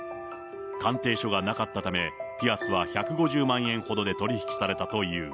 鑑定書がなかったため、ピアスは１５０万円ほどで取り引きされたという。